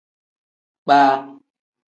Kpaa.